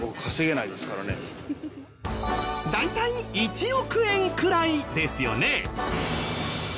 大体１億円くらいですよね。